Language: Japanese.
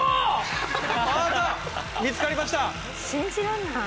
見つかりました！